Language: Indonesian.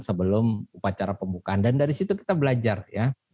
sebelum upacara pembukaan dan dari situ kita belajar ya